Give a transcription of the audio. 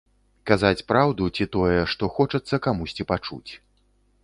Казаць праўду ці тое, што хочацца камусьці пачуць.